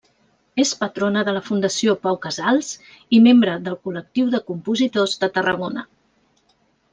És patrona de la Fundació Pau Casals i membre del Col·lectiu de Compositors de Tarragona.